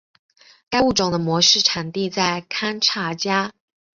该物种的模式产地在堪察加。